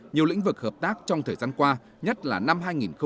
nhiều lĩnh vực hợp tác trong thời gian qua nhất là năm hai nghìn một mươi chín